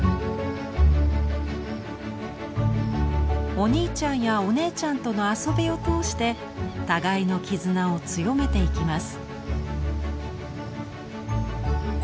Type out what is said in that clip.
お兄ちゃんやお姉ちゃんとの遊びを通して互いの絆を強めていきます。